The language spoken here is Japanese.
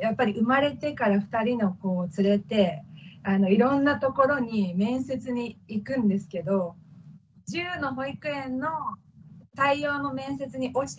やっぱり生まれてから２人の子を連れていろんなところに面接に行くんですけど１０の保育園の採用の面接に落ちてしまって。